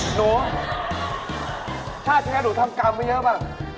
หนูชาติแท้หนูทำกรรมไม่เยอะป่ะ